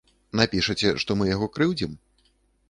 Напішаце, што мы яго крыўдзім?